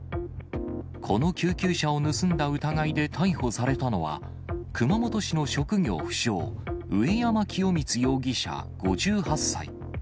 この救急車を盗んだ疑いで逮捕されたのは、熊本市の職業不詳、上山清三容疑者５８歳。